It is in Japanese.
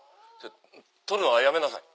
撮るのはやめなさい。